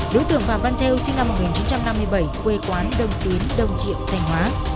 đối tượng phạm văn thêu sinh năm một nghìn chín trăm năm mươi bảy quê quán đông tiến đông triệu thành hóa